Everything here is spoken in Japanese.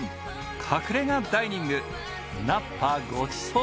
隠れ家ダイニングなっぱごちそう